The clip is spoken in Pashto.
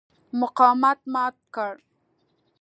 مقاومت مات کړ.